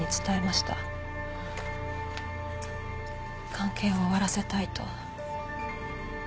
関係を終わらせたいと。